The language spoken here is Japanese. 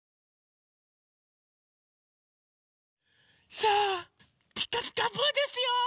さあ「ピカピカブ！」ですよ！